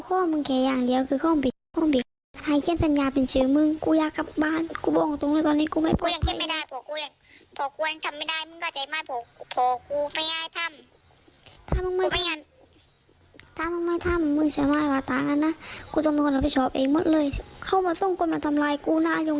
แล้วเราก็ดูได้แล้วเราก็เอาของไปให้กิน